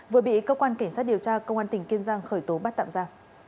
vừa bị cơ quan cảnh sát điều tra công an tỉnh kiên giang khởi tố bắt tạm ra